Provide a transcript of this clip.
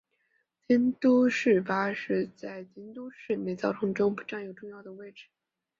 京都市巴士在京都市内交通中占有重要位置。